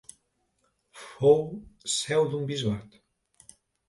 Fou seu d'un bisbat.